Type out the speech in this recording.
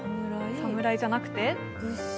侍じゃなくて。